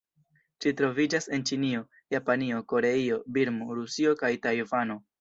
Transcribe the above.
Ĝi troviĝas en Ĉinio, Japanio, Koreio, Birmo, Rusio kaj Tajvano.